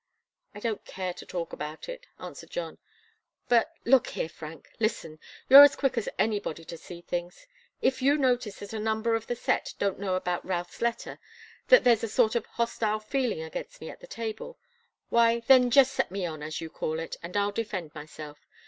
"I don't care to talk about it," answered John. "But look here, Frank listen! You're as quick as anybody to see things. If you notice that a number of the set don't know about Routh's letter that there's a sort of hostile feeling against me at table why, then just set me on, as you call it, and I'll defend myself.